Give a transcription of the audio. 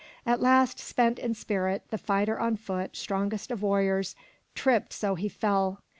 At last, spent in spirit, the fighter on foot, strongest of warriors, tripped so he fell.